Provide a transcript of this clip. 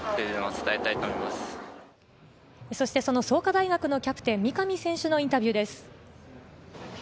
創価大学のキャプテン・三上選手のインタビューです。